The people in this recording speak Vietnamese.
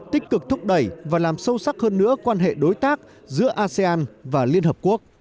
tích cực thúc đẩy và làm sâu sắc hơn nữa quan hệ đối tác giữa asean và liên hợp quốc